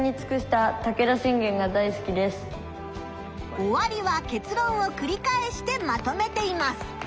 おわりは結論をくり返してまとめています。